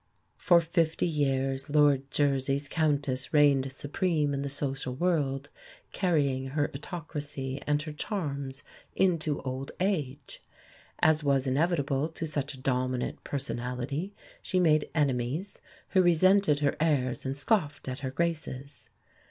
For fifty years, Lord Jersey's Countess reigned supreme in the social world, carrying her autocracy and her charms into old age. As was inevitable to such a dominant personality she made enemies, who resented her airs and scoffed at her graces.